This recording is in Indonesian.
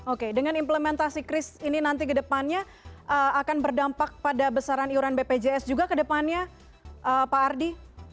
oke dengan implementasi kris ini nanti ke depannya akan berdampak pada besaran iuran bpjs juga ke depannya pak ardi